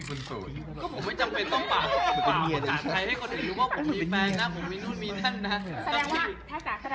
อยู่ตอนนี้ก็ไม่น่าจะรู้ว่ามีใคร